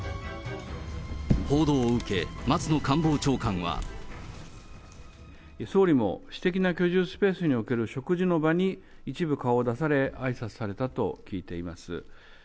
報道を受け、松野官房長官は。総理も私的な居住スペースにおける食事の場に、一部顔を出され、あいさつされたと聞いています。